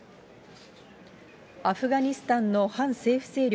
アフガニスタンの反政府勢力